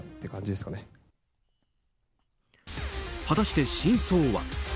果たして真相は？